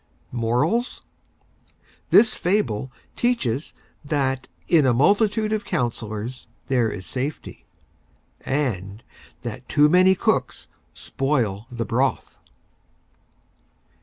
MORALS: This Fable teaches that In a Multitude of Counselors there is Safety, and that Too Many Cooks Spoil the Broth.